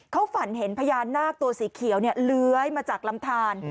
เขาฝันเห็นพญานาคตัวสีเขียวเลื้อยมาจากลำทาน